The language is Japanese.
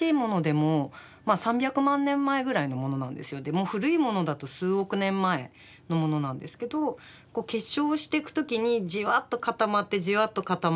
もう古いものだと数億年前のものなんですけどこう結晶していく時にじわっと固まってじわっと固まってっていうふうに。